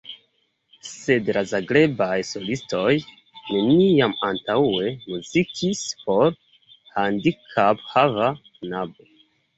Sed la Zagrebaj solistoj neniam antaŭe muzikis por handikaphava knabo.